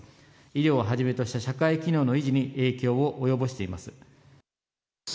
医療をはじめとした社会機能の維持に影響を及ぼしています。